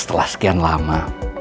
setelah sekian lama